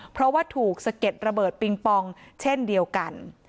เพราะว่าถูกสะเก็ดระเบิดปิงปองเช่นเดียวกัน